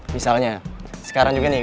misalnya sekarang juga nih